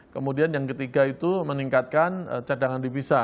kemudian yang ketiga itu meningkatkan cadangan divisa